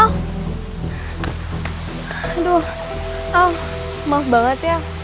aduh maaf banget ya